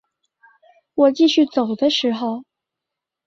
我继续走的时候